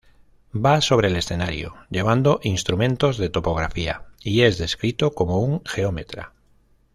Va sobre el escenario llevando instrumentos de topografía y es descrito como un geómetra.